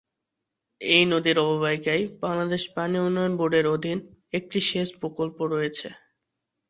এই নদীর অববাহিকায় বাংলাদেশ পানি উন্নয়ন বোর্ডের অধীন একটি সেচ প্রকল্প রয়েছে।